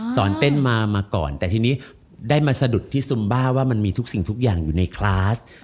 ตอนเต้นมาก่อนแต่ทีนี้ได้มาสะดุดที่ซุมบ้าว่ามันมีทุกสิ่งทุกอย่างอยู่ในคลาส